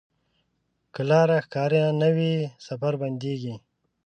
که لاره ښکاره نه وي، سفر بندېږي.